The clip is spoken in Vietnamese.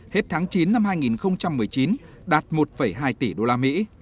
hết tháng chín năm hai nghìn một mươi chín đạt một hai tỷ usd